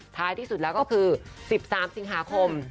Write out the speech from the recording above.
ท้ายที่สุดแล้วก็คือ๑๓สิงหาคม